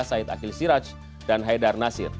said akhil siraj dan haidar nasir